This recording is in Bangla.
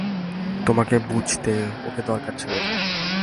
তোমাকে বুঝতে ওকে দরকার ছিল।